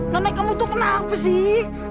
nenek kamu tuh kenapa sih